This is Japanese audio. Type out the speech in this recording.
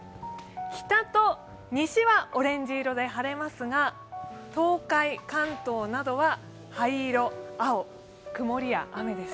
北と西はオレンジ色で晴れますが東海、関東などは灰色、青、曇りや雨です。